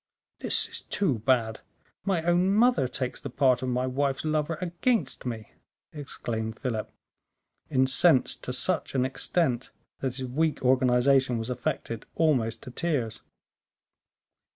"This is too bad; my own mother takes the part of my wife's lover against me," exclaimed Philip, incensed to such an extent that his weak organization was affected almost to tears.